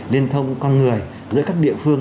liên thông con người giữa các địa phương